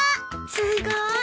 すごーい！